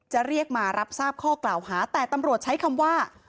จะเรียกมารับทราบข้อกล่าวหาแต่ตำรวจใช้คำว่า